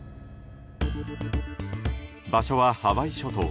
場所はハワイ諸島。